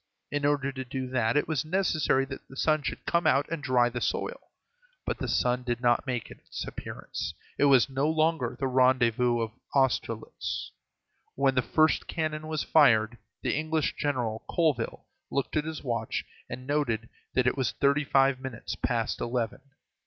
In order to do that it was necessary that the sun should come out and dry the soil. But the sun did not make its appearance. It was no longer the rendezvous of Austerlitz. When the first cannon was fired, the English general, Colville, looked at his watch, and noted that it was thirty five minutes past eleven.